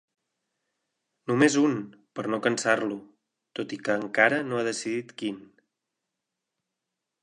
Només un, per no cansar-lo, tot i que encara no ha decidit quin.